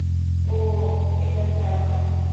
ও এটা চায় না।